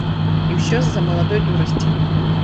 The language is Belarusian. І ўсё з-за маладой дурасці.